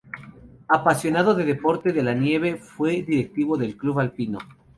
Apasionado de deporte de la nieve fue directivo del Club Alpino.